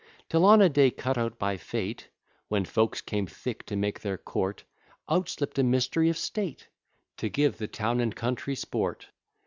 Till on a day cut out by fate, When folks came thick to make their court, Out slipt a mystery of state To give the town and country sport.